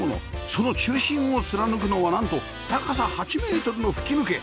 その中心を貫くのはなんと高さ８メートルの吹き抜け